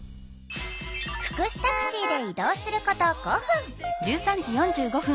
福祉タクシーで移動すること５分。